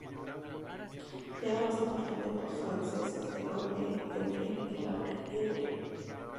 Riega los departamentos franceses de Orne, Eure y Loir y Eure.